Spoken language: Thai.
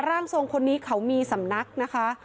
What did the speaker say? ร่างทรงคนนี้เขามีสำนักนะคะ